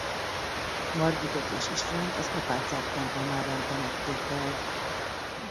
Margitot és Istvánt az apácák templomában temették el.